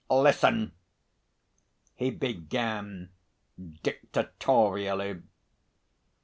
"Listen," he began dictatorially.